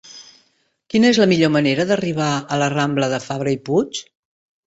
Quina és la millor manera d'arribar a la rambla de Fabra i Puig?